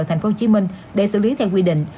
tp hcm để xử lý theo quy định